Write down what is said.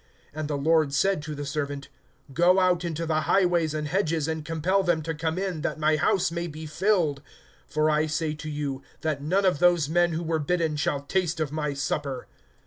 (23)And the Lord said to the servant: Go out into the highways and hedges, and compel them[14:23] to come in, that my house may be filled; (24)for I say to you, that none of those men who were bidden shall taste of my supper.